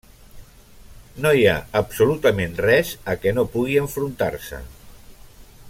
No hi ha absolutament res a què no pugui enfrontar-se.